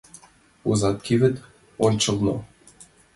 Озаҥ кевыт ончылно.